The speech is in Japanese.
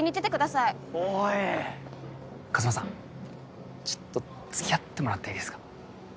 風真さんちょっと付き合ってもらっていいですか？